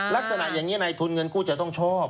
ลักษณะอย่างนี้ในทุนเงินกู้จะต้องชอบ